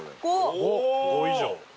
「５」以上。